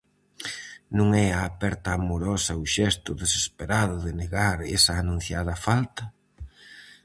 Non é a aperta amorosa o xesto desesperado de negar esa anunciada falta?